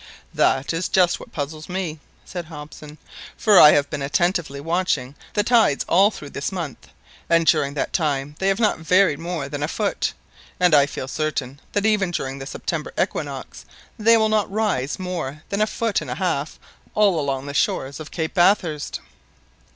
"That is just what puzzles me," said Hobson; "for I have been attentively watching the tides all through this month, and during that time they have not varied more than a foot, and I feel certain, that even during the September equinox, they will not rise more than a foot and a half all along the shores of Cape Bathurst."